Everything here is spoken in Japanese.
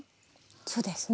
そうですね。